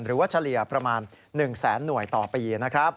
หรือเฉลี่ยประมาณ๑แสนหน่วยต่อปี